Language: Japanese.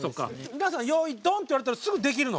皆さんよいドン！って言われたらすぐできるの？